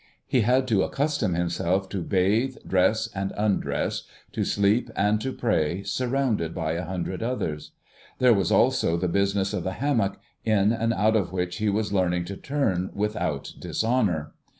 He had to accustom himself to bathe, dress and undress, to sleep and to pray, surrounded by a hundred others. There was also the business of the hammock, in and out of which he was learning to turn without dishonour.